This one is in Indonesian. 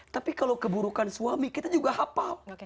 tapi kalau keburukan suami kita juga hafal